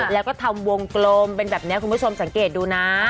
แล้วก็ทำวงกลมเป็นแบบนี้คุณผู้ชมสังเกตดูนะ